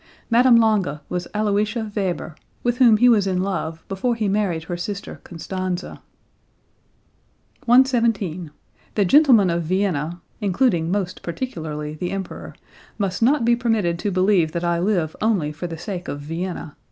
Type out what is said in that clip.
Madame Lange was Aloysia Weber, with whom he was in love before he married her sister Constanze.) 117. "The gentlemen of Vienna (including most particularly the Emperor) must not be permitted to believe that I live only for the sake of Vienna.